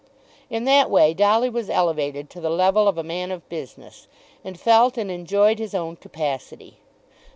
In that way Dolly was elevated to the level of a man of business, and felt and enjoyed his own capacity.